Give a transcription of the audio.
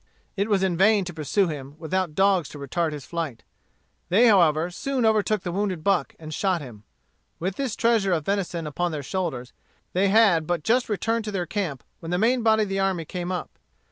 It was in vain to pursue him, without dogs to retard his flight. They however soon overtook the wounded buck, and shot him. With this treasure of venison upon their shoulders, they had but just returned to their camp when the main body of the army came up.